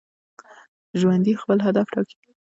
ژوندي خپل هدف ټاکي